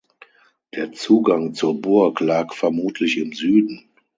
Der Zugang zur Burg lag vermutlich im Süden.